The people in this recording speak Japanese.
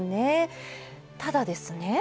ただですね